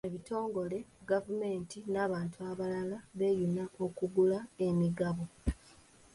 Ebitongole, Gavumenti n'abantu abalala beeyuna okugula emigabo.